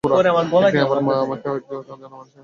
একদিন, আমার মা আমাকে একজন অজানা মানুষের হাতে সঁপে দিলেন।